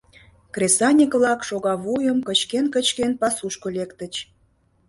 Кресаньык-влак, шогавуйым кычкен-кычкен, пасушко лектыч.